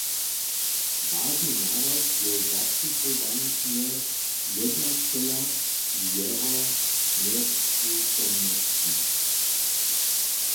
Wažny nadawk je zastupowanje jednaćela w jeho njepřitomnosći.